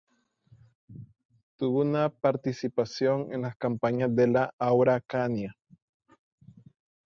Tuvo una activa participación en las campañas de la Araucanía.